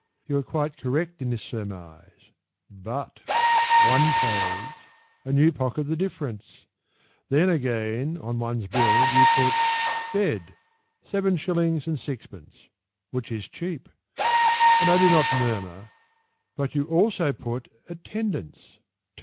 You are quite correct in this surmise. But One pays, And you pocket the difference. Then, again, on one's bill You put Bed, 7s. 6d. Which is cheap; And I do not murmur; But you also put Attendance, 2s.